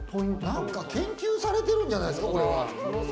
なんか研究されてるんじゃないですか？